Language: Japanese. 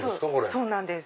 そうなんです。